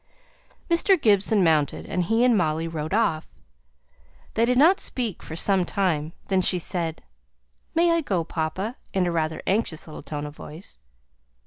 Mr. Gibson mounted, and he and Molly rode off. They did not speak for some time. Then she said, "May I go, papa?" in rather an anxious little tone of voice.